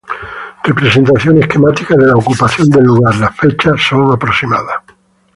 Representación esquemática de la ocupación del lugar, las fechas son aproximadas.